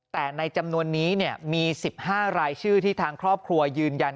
แต่ในจำนวนนี้มี๑๕รายชื่อที่ทางครอบครัวยืนยัน